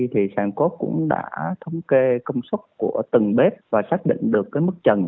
thì sản cốt cũng đã thống kê công suất của từng bếp và xác định được mức trần